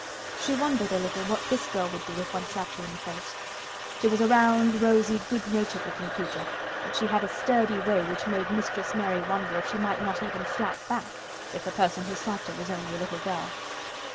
She wondered a little what this girl would do if one slapped her in the face. She was a round, rosy, good natured looking creature, but she had a sturdy way which made Mistress Mary wonder if she might not even slap back—if the person who slapped her was only a little girl.